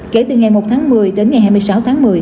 kể từ ngày một tháng một mươi đến ngày hai mươi sáu tháng một mươi